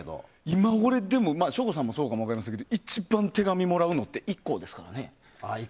今、俺でも省吾さんもそうかもわからないけど一番手紙もらうのってＩＫＫＯですからね。